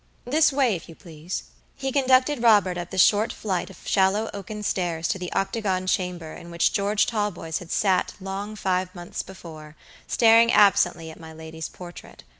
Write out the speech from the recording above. This way, if you please." He conducted Robert up the short flight of shallow oaken stairs to the octagon chamber in which George Talboys had sat long five months before, staring absently at my lady's portrait.